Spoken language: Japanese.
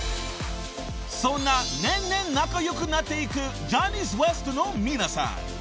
［そんな年々仲良くなっていくジャニーズＷＥＳＴの皆さん］